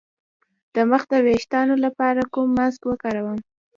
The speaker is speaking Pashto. د مخ د ويښتانو لپاره کوم ماسک وکاروم؟